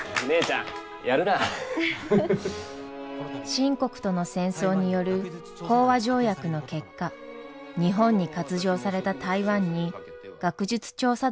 清国との戦争による講和条約の結果日本に割譲された台湾に学術調査団の派遣が決まり。